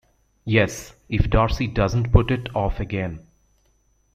Yes — if Darcy does not put it off again.